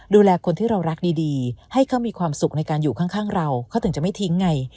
ดูแลคนที่เรารักดีให้เขามีความสุขในการอยู่ข้างเราเขาถึงจะไม่ทิ้งไง